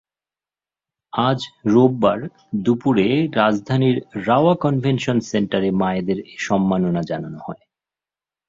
আজ রোববার দুপুরে রাজধানীর রাওয়া কনভেনশন সেন্টারে মায়েদের এ সম্মাননা জানানো হয়।